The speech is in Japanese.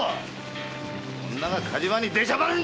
女が火事場に出しゃばるんじゃねえ！